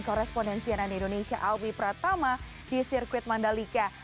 cores ponen siaran indonesia awi pertama di sirkuit mandalika